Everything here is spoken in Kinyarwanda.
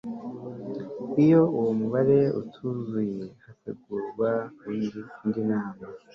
iyo uwo mubare utuzuye hategurwa indi nama